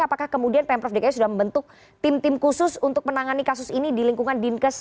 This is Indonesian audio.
apakah kemudian pemprov dki sudah membentuk tim tim khusus untuk menangani kasus ini di lingkungan dinkes